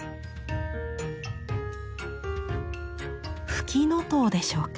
フキノトウでしょうか。